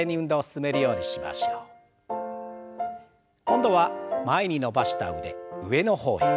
今度は前に伸ばした腕上の方へ。